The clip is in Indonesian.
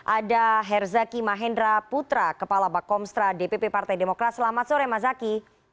ada herzaki mahendra putra kepala bakomstra dpp partai demokrat selamat sore mas zaky